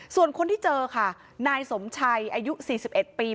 ส่วนคนที่เจอค่ะนายสมชัยอายุ๔๑ปี